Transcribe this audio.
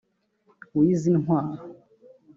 w’izi ntwaro